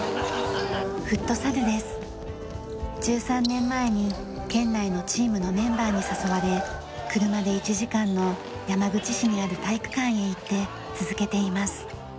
１３年前に県内のチームのメンバーに誘われ車で１時間の山口市にある体育館へ行って続けています。